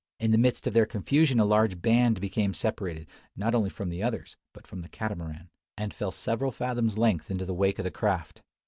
In the midst of their confusion a large band became separated, not only from the others, but from the Catamaran, and fell several fathoms' length into the wake of the craft.